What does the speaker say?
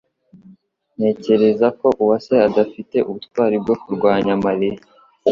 Ntekereza ko Uwase adafite ubutwari bwo kurwanya Mariya